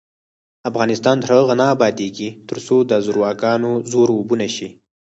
افغانستان تر هغو نه ابادیږي، ترڅو د زورواکانو زور اوبه نشي.